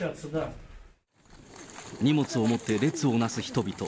荷物を持って列をなす人々。